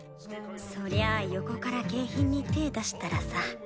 そりゃあ横から景品に手出したらさ。